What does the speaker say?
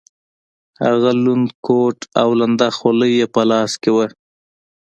هغه لوند کوټ او لنده خولۍ یې په لاس کې وه.